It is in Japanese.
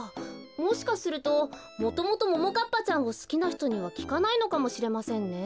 もしかするともともとももかっぱちゃんをすきなひとにはきかないのかもしれませんね。